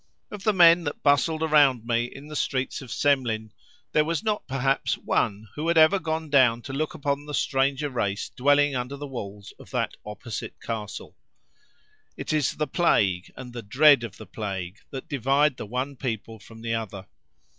Of the men that bustled around me in the streets of Semlin there was not, perhaps, one who had ever gone down to look upon the stranger race dwelling under the walls of that opposite castle. It is the plague, and the dread of the plague, that divide the one people from the other.